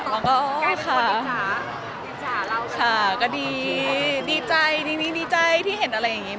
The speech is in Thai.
แล้วก็อ๋อค่ะค่ะก็ดีดีใจดีที่เห็นอะไรอย่างเงี้ย